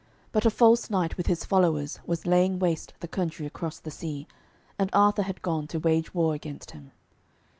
But a false knight with his followers was laying waste the country across the sea, and Arthur had gone to wage war against him.